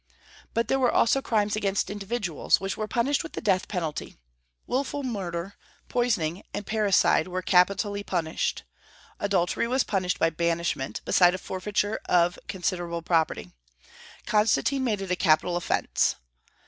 But there were also crimes against individuals, which were punished with the death penalty. Wilful murder, poisoning, and parricide were capitally punished. Adultery was punished by banishment, besides a forfeiture of considerable property; Constantine made it a capital offence.